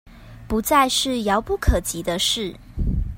不再是遙不可及的事